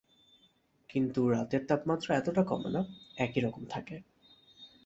কিন্তু রাতের তাপমাত্রা এতটা কমে না, একইরকম থাকে।